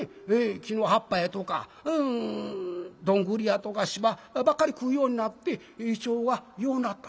木の葉っぱやとかどんぐりやとか芝ばっかり食うようになって胃腸はようなった。